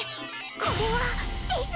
これはです！？